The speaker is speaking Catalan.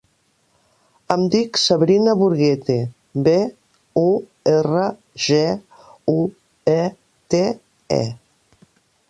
Em dic Sabrina Burguete: be, u, erra, ge, u, e, te, e.